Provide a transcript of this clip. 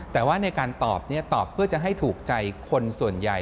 แต่ว่าในการตอบตอบเพื่อจะให้ถูกใจคนส่วนใหญ่